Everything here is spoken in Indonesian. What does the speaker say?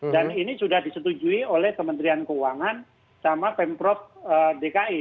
dan ini sudah disetujui oleh kementerian keuangan sama pemprov dki